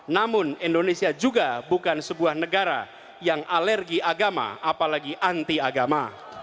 namun indonesia juga bukan sebuah negara yang alergi agama apalagi anti agama